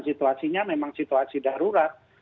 situasinya memang situasi darurat